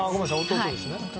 弟ですね。